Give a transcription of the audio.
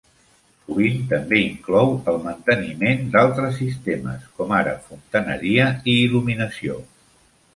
Sovint també inclou el manteniment d'altres sistemes, com ara fontaneria i il·luminació.